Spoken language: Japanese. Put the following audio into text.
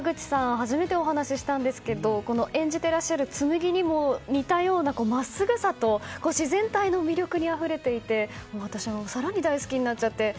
初めてお話ししたんですけれども演じてらっしゃる紬にも似たような真っすぐさと自然体の魅力にあふれていて私、更に大好きになっちゃって。